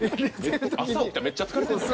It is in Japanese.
朝起きたらめっちゃ疲れてんで。